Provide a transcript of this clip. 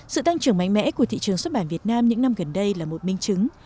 sự tăng trưởng mạnh mẽ của thị trường xuất bản việt nam những năm gần đây là một minh chứng